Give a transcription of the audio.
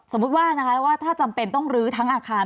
สมมุติว่านะคะว่าถ้าจำเป็นต้องลื้อทั้งอาคาร